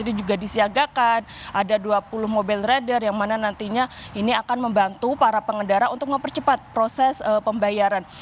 ini juga disiagakan ada dua puluh mobil rider yang mana nantinya ini akan membantu para pengendara untuk mempercepat proses pembayaran